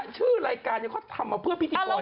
ชื่อรายการนี้เขาทำมาเพื่อพิธีกร